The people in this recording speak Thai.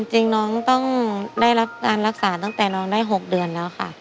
จริงน้องต้องได้รับการรักษาตั้งแต่น้องได้๖เดือนแล้วค่ะ